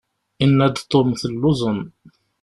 Yenna-d Tom telluẓem.